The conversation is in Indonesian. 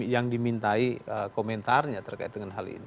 yang dimintai komentarnya terkait dengan hal ini